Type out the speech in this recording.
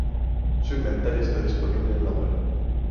Su inventario está disponible en la web.